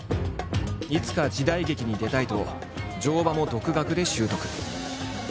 いつか時代劇に出たいと乗馬も独学で習得。